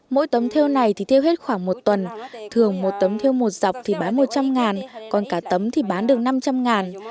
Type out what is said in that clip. mỗi tấm heo này thì theo hết khoảng một tuần thường một tấm theo một dọc thì bán một trăm linh còn cả tấm thì bán được năm trăm linh